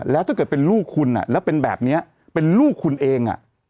แล้วถ้าเกิดเป็นลูกคุณแล้วเป็นแบบนี้เป็นลูกคุณเอง